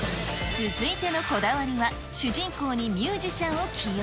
続いてのこだわりは、主人公にミュージシャンを起用。